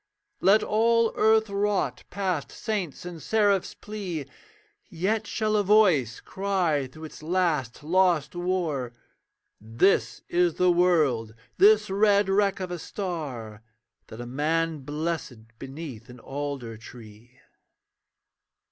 Let all earth rot past saints' and seraphs' plea, Yet shall a Voice cry through its last lost war, 'This is the world, this red wreck of a star, That a man blessed beneath an alder tree.'